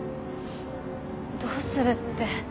どうするって。